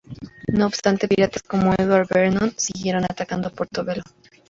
No obstante, piratas como Edward Vernon siguieron atacaron Portobelo.